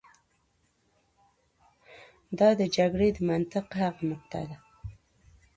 دا د جګړې د منطق هغه نقطه ده.